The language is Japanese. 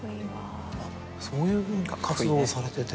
そういう活動をされてて。